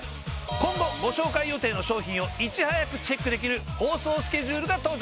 今後ご紹介予定の商品をいち早くチェックできる放送スケジュールが登場。